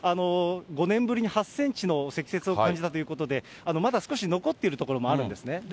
５年ぶりに８センチの積雪を観測したということで、まだ少し残っている所もあるんですね。